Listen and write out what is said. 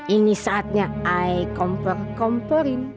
ini saatnya i komper komperin